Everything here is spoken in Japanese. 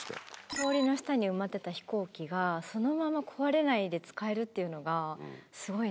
氷の下に埋まってた飛行機がそのまま壊れないで使えるっていうのがすごいな。